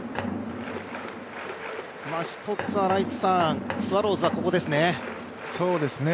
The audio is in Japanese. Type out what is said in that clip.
一つはスワローズはここでしょうね。